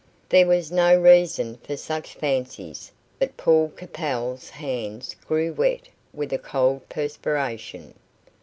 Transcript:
There was no reason for such fancies, but Paul Capel's hands grew wet with a cold perspiration.